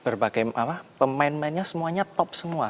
itu bagaimana pemain pemainnya semuanya top semua